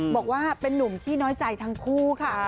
บอกว่าเป็นนุ่มขี้น้อยใจทั้งคู่ค่ะ